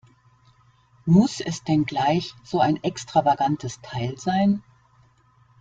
Muss es denn gleich so ein extravagantes Teil sein?